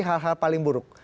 hal hal paling buruk